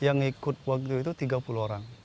yang ikut waktu itu tiga puluh orang